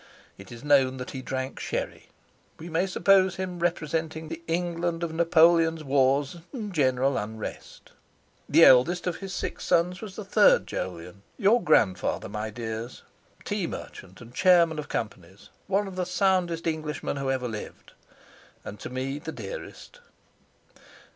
It is known that he drank sherry. We may suppose him representing the England of Napoleon's wars, and general unrest. The eldest of his six sons was the third Jolyon, your grandfather, my dears—tea merchant and chairman of companies, one of the soundest Englishmen who ever lived—and to me the dearest."